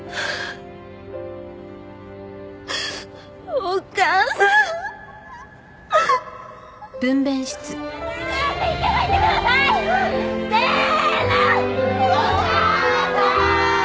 お母さーん！